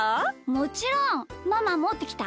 もちろん！ママもってきた？